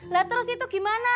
lihat terus itu gimana